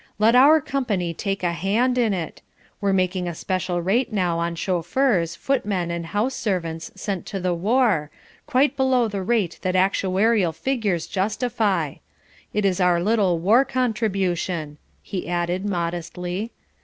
Let our company take a hand in it. We're making a special rate now on chauffeurs, footmen, and house servants sent to the war, quite below the rate that actuarial figures justify. It is our little war contribution," he added modestly.